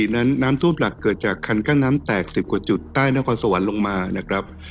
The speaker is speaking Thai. นั้นน้ำท่วมหลักเกิดจากคันกั้นน้ำแตก๑๐กว่าจุดใต้นครสวรรค์ลงมานะครับ